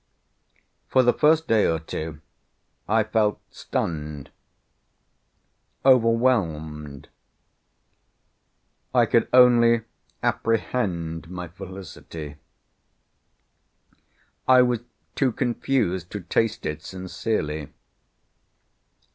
For the first day or two I felt stunned, overwhelmed. I could only apprehend my felicity; I was too confused to taste it sincerely.